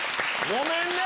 ごめんね！